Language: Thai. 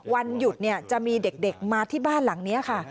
วันหยุดจะมีเด็กมาที่บ้านหลังนี้ค่ะ